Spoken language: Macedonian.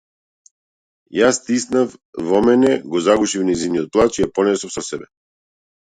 Ја стиснав во мене, го загушив нејзиниот плач и ја понесов со себе.